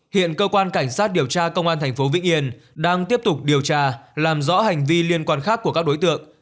hiện cơ quan cảnh sát điều tra công an thành phố vĩnh yên đang tiếp tục điều tra làm rõ hành vi liên quan khác của các đối tượng